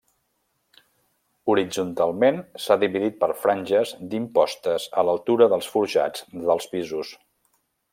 Horitzontalment s'ha dividit per franges d'impostes a l'altura dels forjats dels pisos.